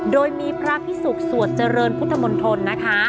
โดยมีพระพิสุกสวดเจริญพุทธมนตรนะคะ